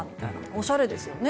おしゃれですよね。